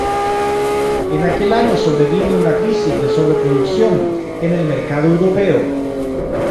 En aquel año sobrevino una crisis de sobre-producción en el mercado europeo.